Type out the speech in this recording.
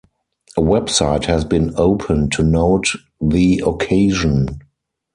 A website has been opened to note the occasion.